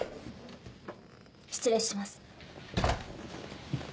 失礼します。